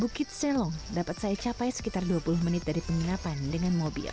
bukit selong dapat saya capai sekitar dua puluh menit dari penginapan dengan mobil